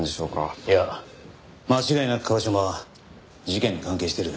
いや間違いなく椛島は事件に関係している。